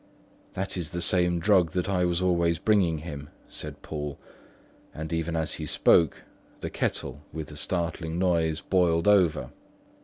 "That is the same drug that I was always bringing him," said Poole; and even as he spoke, the kettle with a startling noise boiled over.